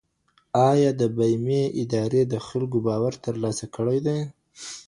آيا د بيمې ادارې د خلګو باور ترلاسه کړی دی؟